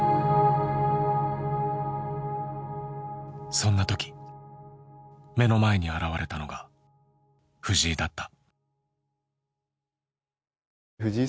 そんな時目の前に現れたのが藤井だった。